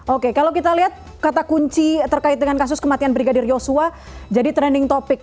oke kalau kita lihat kata kunci terkait dengan kasus kematian brigadir yosua jadi trending topic